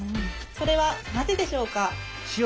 それはなぜでしょうか？